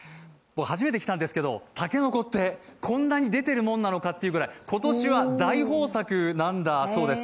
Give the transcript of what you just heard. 初めてんですけど竹の子って、こんなに出てるものなのかというぐらい今年は大豊作なんだそうです。